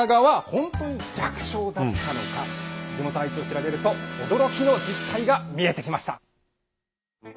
地元の愛知を調べると驚きの実態が見えてきました。